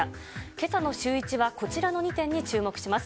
けさのシューイチはこちらの２点に注目します。